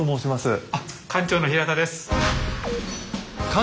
あっ館長の平田です。